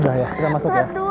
sudah ya kita masuk ya